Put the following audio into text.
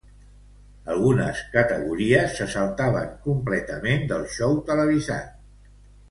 Algunes categories se saltaven completament del xou televisat.